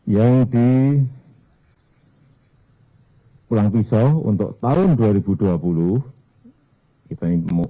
yang di pulang pisau untuk tahun dua ribu dua puluh